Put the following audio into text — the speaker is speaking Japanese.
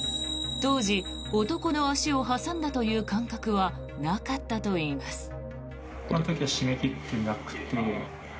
当時、男の足を挟んだという感覚はなかったといいます。